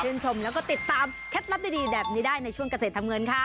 ชมแล้วก็ติดตามเคล็ดลับดีแบบนี้ได้ในช่วงเกษตรทำเงินค่ะ